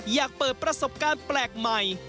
อยากเปิดประสบการณ์แปลกใหม่